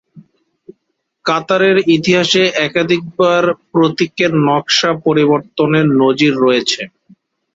কাতারের ইতিহাসে একাধিকবার প্রতীকের নকশা পরিবর্তনের নজির রয়েছে।